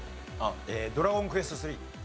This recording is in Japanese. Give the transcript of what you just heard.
『ドラゴンクエストⅢ』。